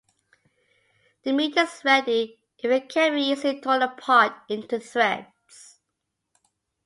The meat is ready if it can be easily torn apart into threads.